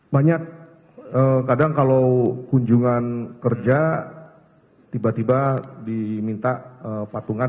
banyak kadang kalau kunjungan kerja tiba tiba diminta patungan